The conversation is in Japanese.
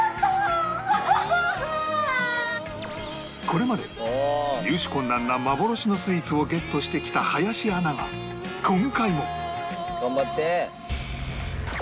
これまで入手困難な幻のスイーツをゲットしてきた林アナが今回も頑張って！